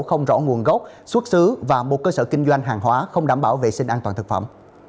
không rõ nguồn gốc xuất xứ và một cơ sở kinh doanh hàng hóa không đảm bảo vệ sinh an toàn thực phẩm